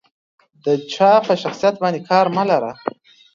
د جا په شخصيت باندې کار مه لره.